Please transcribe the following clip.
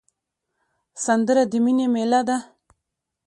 سندره د مینې میله ده